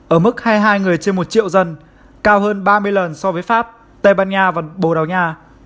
ở mức hai mươi hai người trên một triệu dân cao hơn ba mươi lần so với pháp tây ban nha và bồ đào nha